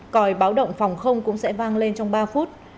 còi báo động phòng không cũng sẽ vang lên trong ba phút